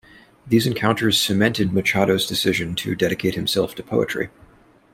These encounters cemented Machado's decision to dedicate himself to poetry.